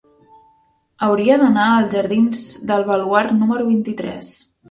Hauria d'anar als jardins del Baluard número vint-i-tres.